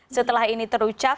setelah ini terucap